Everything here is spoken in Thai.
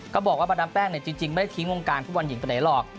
บอกว่าบรรดามแป้งจริงไม่ได้ทิ้งวงการฟุตบอลหญิงตัวไหนหรอก